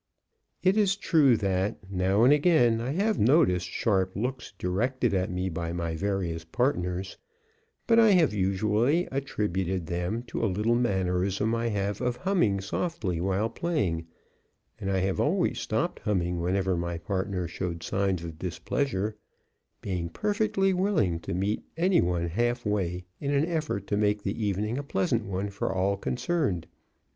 It is true that, now and again, I have noticed sharp looks directed at me by my various partners, but I have usually attributed them to a little mannerism I have of humming softly while playing, and I have always stopped humming whenever my partner showed signs of displeasure, being perfectly willing to meet any one halfway in an effort to make the evening a pleasant one for all concerned.